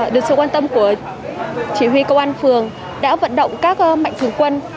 được sự quan tâm của chỉ huy công an phường đã vận động các mạnh thường quân